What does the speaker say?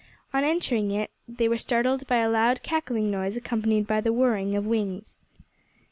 On entering it they were startled by a loud cackling noise, accompanied by the whirring of wings.